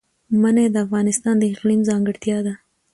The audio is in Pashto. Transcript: منی د افغانستان د اقلیم ځانګړتیا ده.